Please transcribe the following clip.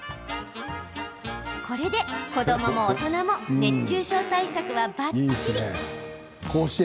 これで、子どもも大人も熱中症対策はばっちり。